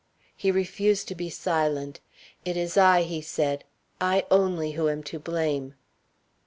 He refused to be silent. "It is I," he said; "I only who am to blame."